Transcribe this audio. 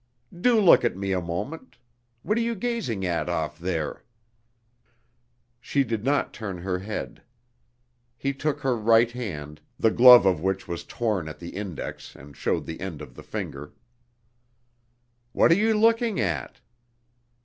"Do look at me a moment!... What are you gazing at off there?" She did not turn her head. He took her right hand, the glove of which was torn at the index, and showed the end of the finger. "What are you looking at?"